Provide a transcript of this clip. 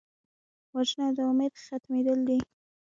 وژنه د امید ختمېدل دي